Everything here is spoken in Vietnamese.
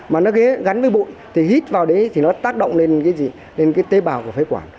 mà nó gắn với bụi thì hít vào đấy thì nó tác động lên cái tế bào của phế quản